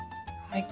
はい。